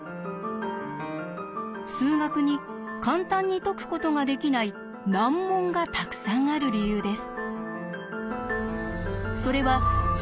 数学に簡単に解くことができない難問がたくさんある理由です。